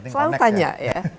selalu tanya ya